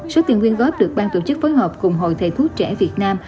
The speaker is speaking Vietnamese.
số tiền quyên góp được ban tổ chức phối hợp cùng hội thầy thuốc trẻ việt nam